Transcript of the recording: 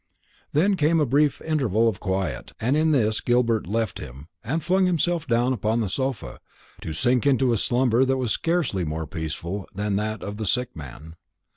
Then came a brief interval of quiet; and in this Gilbert left him, and flung himself down upon the sofa, to sink into a slumber that was scarcely more peaceful than that of the sick man.